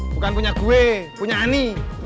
bukan punya gue punya ani